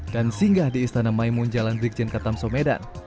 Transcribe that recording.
dan singgah di istana maimun jalan dikjin ke tamsomedan